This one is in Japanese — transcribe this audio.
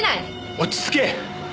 落ち着け。